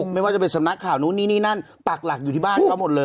ไม่ว่าจะเป็นสำนักข่าวนู่นนี่นี่นั่นปากหลักอยู่ที่บ้านเขาหมดเลย